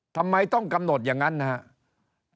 ทำไมต้องกำหนดอย่างนั้นนะครับ